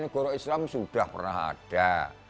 yang usul ini negara islam sudah pernah ada